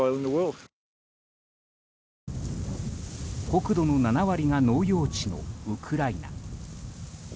国土の７割が農用地のウクライナ。